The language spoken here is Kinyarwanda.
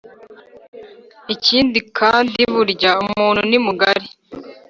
ikindi kandiburya umuntu ni mugari